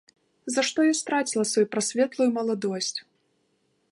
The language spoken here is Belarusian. За што я страціла сваю прасветлую маладосць?